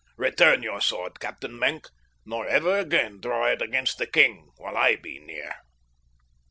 Return your sword, Captain Maenck, nor ever again draw it against the king while I be near."